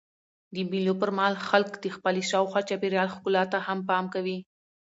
د مېلو پر مهال خلک د خپلي شاوخوا چاپېریال ښکلا ته هم پام کوي.